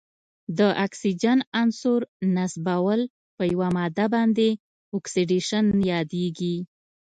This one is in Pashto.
د اکسیجن عنصر نصبول په یوه ماده باندې اکسیدیشن یادیږي.